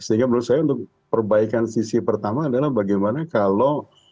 sehingga menurut saya untuk perbaikan sisi pertama adalah bagaimana kalau